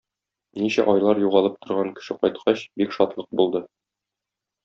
Ничә айлар югалып торган кеше кайткач, бик шатлык булды.